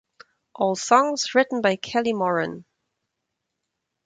All songs written by Kelly Moran